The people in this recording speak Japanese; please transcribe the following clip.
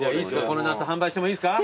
この夏販売してもいいですか？